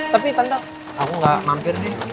tapi tanda aku gak mampir nih